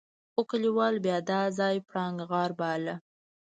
خو کليوالو بيا دا ځای پړانګ غار باله.